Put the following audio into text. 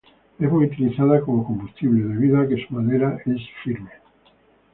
Es muy utilizada como combustible, debido a que su madera es firme.